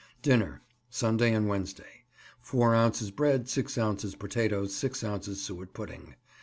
Dinner Sunday and Wednesday 4 ounces bread, 6 ounces potatoes, 6 ounces suet pudding.